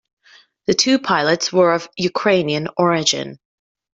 The two pilots were of Ukrainian origin.